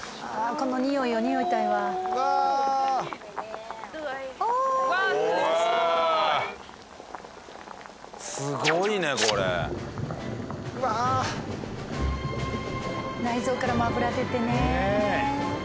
このにおいをにおいたいわうわわあすごいすごいねこれわっ内臓からも脂出てね